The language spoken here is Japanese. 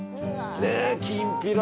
ねえきんぴら。